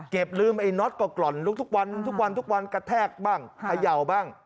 ลืมไอ้น็อตกล่อนลุกทุกวันทุกวันทุกวันกระแทกบ้างเขย่าบ้าง